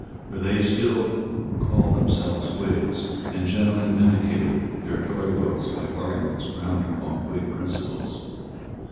For they still called themselves Whigs, and generally vindicated their Tory votes by arguments grounded on Whig principles.